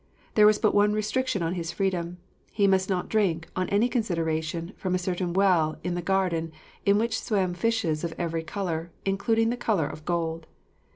There was but one restriction on his freedom: he must not drink, on any consideration, from a certain well in the garden, in which swam fishes of every colour, including the colour of gold.